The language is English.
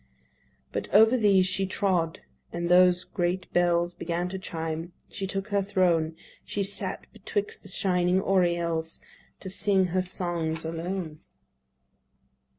But over these she trod: and those great bells Began to chime. She took her throne: She sat betwixt the shining Oriels. To sing her songs alone.